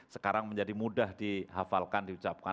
sekarang menjadi mudah dihafalkan diucapkan